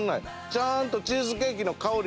ちゃんとチーズケーキの香り。